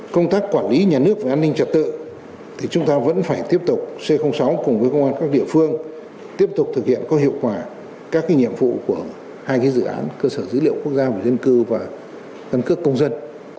công tác quản lý nhà nước về an ninh trật tự thì chúng ta vẫn phải tiếp tục c sáu cùng với công an các địa phương tiếp tục thực hiện có hiệu quả các nhiệm vụ của hai dự án cơ sở dữ liệu quốc gia về dân cư và căn cước công dân